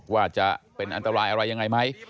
ว่าจะเป็นอันตรายอะไรยังไงไหม